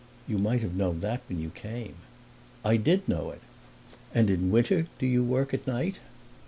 "You might have known that when you came." "I did know it!" "And in winter do you work at night?"